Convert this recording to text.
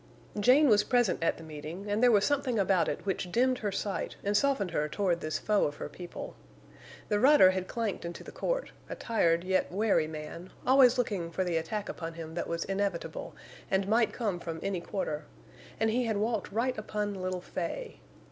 Jane was present at the meeting, and there was something about it which dimmed her sight and softened her toward this foe of her people. The rider had clanked into the court, a tired yet wary man, always looking for the attack upon him that was inevitable and might come from any quarter; and he had walked right upon little Fay.